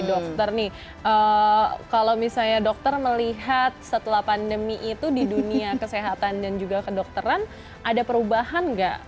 dokter nih kalau misalnya dokter melihat setelah pandemi itu di dunia kesehatan dan juga kedokteran ada perubahan nggak